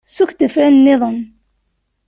Sukk-d afran-nniḍen.